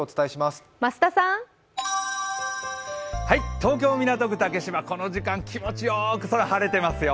東京・港区竹芝、この時間気持ちよく晴れてますよ。